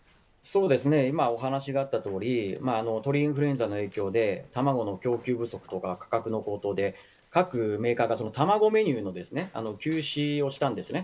今、お話があったとおり鳥インフルエンザの影響で卵の供給不足や価格の高騰で各メーカーが卵メニューの休止をしたんです。